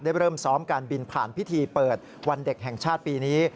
เริ่มซ้อมการบินผ่านพิธีเปิดวันเด็กแห่งชาติปีนี้